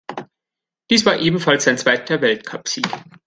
Dies war ebenfalls sein zweiter Weltcupsieg.